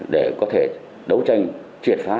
để có thể đấu tranh triệt phá